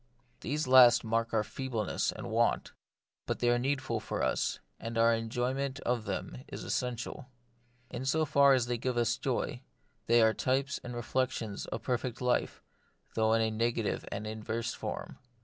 These last mark our feebleness and want ; but they are need ful for us, and our enjoyment of them is essen tial. In so far as they give joy, they are types and reflections of the perfect life, though in a negative and inverse form.